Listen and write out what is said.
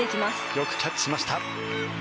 よくキャッチをしました。